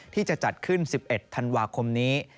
ที่จะจัดขึ้น๑๑ธันวาคมนี้